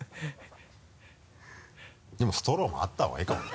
でもストローもあったほうがいいかもね。